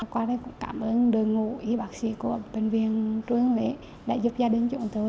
qua đây cũng cảm ơn đồng hồ y bác sĩ của bệnh viện trung ương huế đã giúp gia đình chúng tôi